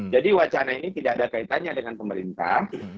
jadi wacana ini tidak ada kaitannya dengan pemerintah